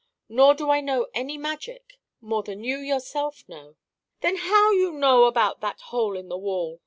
Nor do I know any magic, more than you yourself know." "Then how you know about that hole in the wall?"